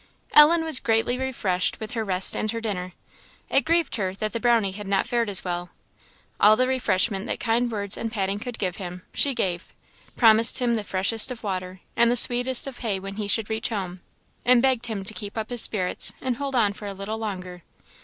Ellen was greatly refreshed with her rest and her dinner; it grieved her that the Brownie had not fared as well. All the refreshment that kind words and patting could give him, she gave; promised him the freshest of water, and the sweetest of hay, when he should reach home; and begged him to keep up his spirits and hold on for a little longer.